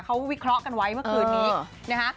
เขาวิเคราะห์กันไว้เมื่อคืนนี้นะคะ